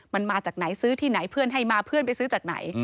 มันมาจากไหนซื้อที่ไหนเพื่อนให้มาเพื่อนไปซื้อจากไหน